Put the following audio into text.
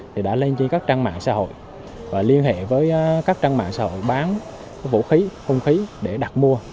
thì đã lên trên các trang mạng xã hội và liên hệ với các trang mạng xã hội bán vũ khí hung khí để đặt mua